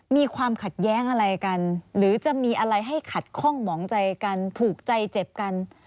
มีความขัดแย้งอะไรกันหรือจะมีอะไรให้ขัดข้องหมองใจกันผูกใจเจ็บกัน